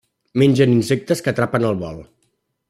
Mengen insectes que atrapen al vol.